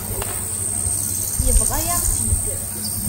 Yebḍa-yaɣ-tt-id.